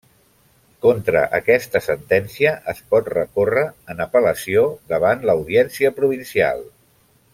Contra aquesta sentència es pot recórrer en apel·lació davant l'Audiència Provincial.